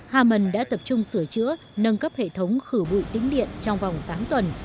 haman đã tập trung sửa chữa nâng cấp hệ thống khử bụi tính điện trong vòng tám tuần